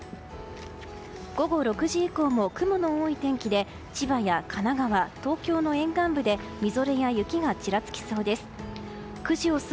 午後６時以降も雲の多い天気で千葉や神奈川、東京の沿岸部でみぞれや雪がちらつきそうです。